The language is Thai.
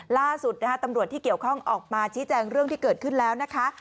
ล่าสุดนะคะตำรวจที่เกี่ยวข้องออกมาชี้แจงเรื่องที่เกิดขึ้นแล้วนะคะ